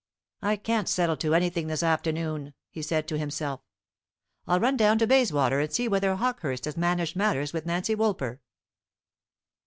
"I can't settle to anything this afternoon," he said to himself. "I'll run down to Bayswater, and see whether Hawkehurst has managed matters with Nancy Woolper."